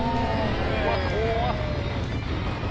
うわっ怖っ。